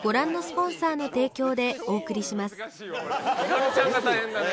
ひかるちゃんが大変だね。